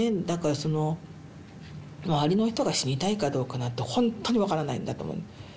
だからその周りの人が死にたいかどうかなんてほんとにわからないんだと思う。